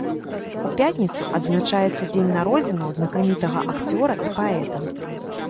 У пятніцу адзначаецца дзень народзінаў знакамітага акцёра і паэта.